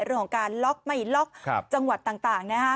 เรื่องการล็อกหรือไม่ล็อกจังหวัดต่าง